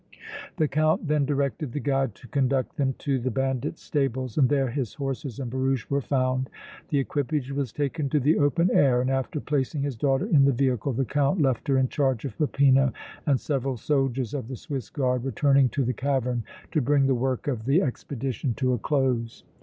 The Count then directed the guide to conduct them to the bandits' stables and there his horses and barouche were found. The equipage was taken to the open air, and after placing his daughter in the vehicle the Count left her in charge of Peppino and several soldiers of the Swiss Guard, returning to the cavern to bring the work of the expedition to a close.